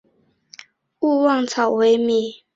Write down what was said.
勿忘草微米。